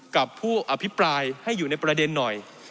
กับผู้อภิปรายให้อยู่ในประเด็นหน่อย